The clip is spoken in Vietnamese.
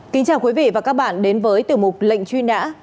kính chào quý vị và các bạn đến với tiểu mục lệnh truy nã